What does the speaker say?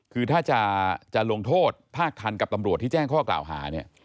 คือถ้าจะลงโทษภาคทันกับตำรวจที่แจ้งข้อกล่าวหาเนี่ย